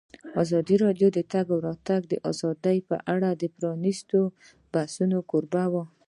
ازادي راډیو د د تګ راتګ ازادي په اړه د پرانیستو بحثونو کوربه وه.